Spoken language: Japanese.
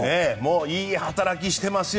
いい働きをしていますよ。